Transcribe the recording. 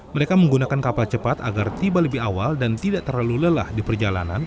mereka menggunakan kapal cepat agar tiba lebih awal dan tidak terlalu lelah di perjalanan